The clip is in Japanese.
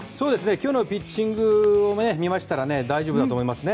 今日のピッチングを見ましたら大丈夫だと思いますね。